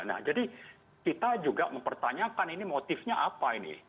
nah jadi kita juga mempertanyakan ini motifnya apa ini